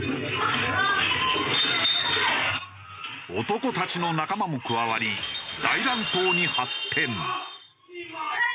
男たちの仲間も加わり大乱闘に発展。